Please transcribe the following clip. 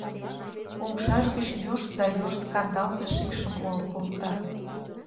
Умшаж гыч йошт да йошт кандалге шикшым пуал колта.